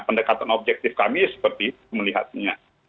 pendekatan objektif kami seperti itu melihatnya